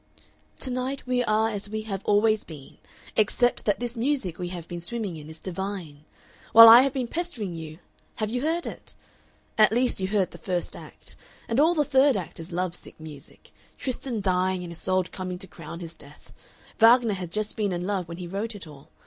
"To night we are as we have always been. Except that this music we have been swimming in is divine. While I have been pestering you, have you heard it? At least, you heard the first act. And all the third act is love sick music. Tristan dying and Isolde coming to crown his death. Wagner had just been in love when he wrote it all.